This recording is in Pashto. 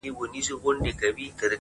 پر مخ وريځ-